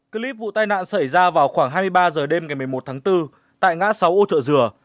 clip vụ tai nạn xảy ra vào khoảng hai mươi ba h đêm ngày một mươi một tháng bốn tại ngã sáu ô trợ dừa